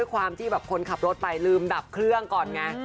ความที่แบบคนขับรถไปลืมดับเครื่องก่อนไง